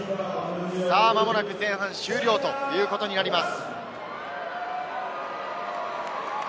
まもなく前半終了ということになります。